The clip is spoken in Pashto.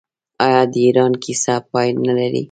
آیا د ایران کیسه پای نلري؟